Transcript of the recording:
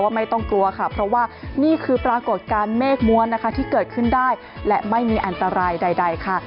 ไม่ต้องกลัวค่ะเพราะว่านี่คือปรากฏการณ์เมฆม้วนนะคะที่เกิดขึ้นได้และไม่มีอันตรายใดค่ะ